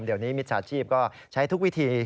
เดี๋ยวนี้มิตรศาสตร์ชีพก็ใช้ทุกวิธี